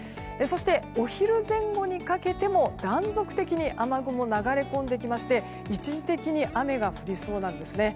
お昼前後にかけても断続的に雨雲が流れ込んできまして、一時的に雨が降りそうなんですね。